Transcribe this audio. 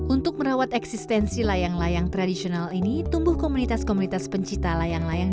untuk merawat eksistensi layang layang tradisional ini tumbuh komunitas komunitas pencipta layang layang